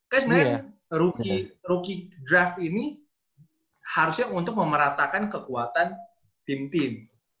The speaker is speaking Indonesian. kan sebenarnya rookie draft ini harusnya untuk memeratakan kekuatan tim tim